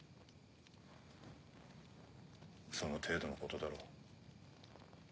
その程度のことだろ。